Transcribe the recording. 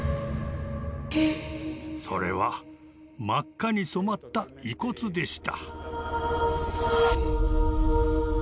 それは真っ赤に染まった遺骨でした。